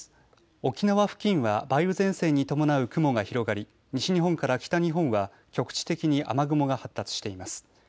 沖縄付近は梅雨前線に伴う雲が広がり西日本から北日本は局地的に雨雲が発達しています。